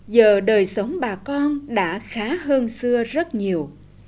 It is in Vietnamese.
giờ đời sống bà con đã khá hơn xưa rất nhiều